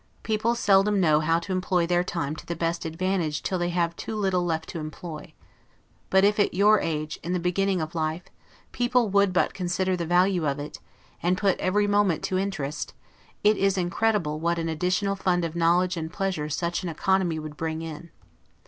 People seldom know how to employ their time to the best advantage till they have too little left to employ; but if, at your age, in the beginning of life, people would but consider the value of it, and put every moment to interest, it is incredible what an additional fund of knowledge and pleasure such an economy would bring in.